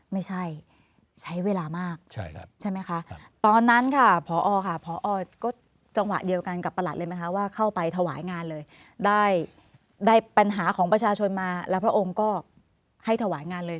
ไม่ใช่ใช้เวลามากใช่ไหมคะตอนนั้นค่ะพอค่ะพอก็จังหวะเดียวกันกับประหลัดเลยไหมคะว่าเข้าไปถวายงานเลยได้ปัญหาของประชาชนมาแล้วพระองค์ก็ให้ถวายงานเลย